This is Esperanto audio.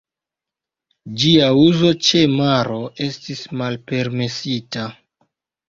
Ĝia uzo ĉe maro estis malpermesita.